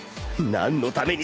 何のために！